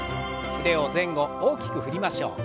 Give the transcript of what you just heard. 腕を前後大きく振りましょう。